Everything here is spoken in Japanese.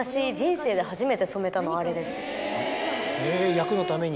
役のために。